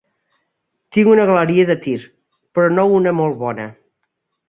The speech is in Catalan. Tinc una galeria de tir, però no una molt bona.